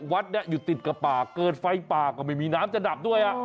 วัดนี้อยู่ติดกับป่าเกิดไฟป่าก็ไม่มีน้ำจะดับด้วย